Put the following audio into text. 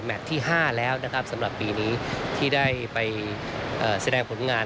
ที่๕แล้วนะครับสำหรับปีนี้ที่ได้ไปแสดงผลงาน